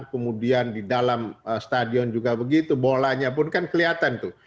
kemudian di dalam stadion juga begitu bolanya pun kan kelihatan tuh